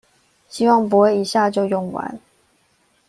希望不會一下就用完